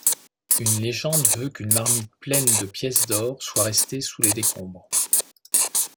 Une légende veut qu'une marmite pleine de pièces d'or soit restée sous les décombres.